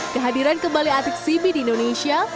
kehadiran kembali atik sibi di indonesia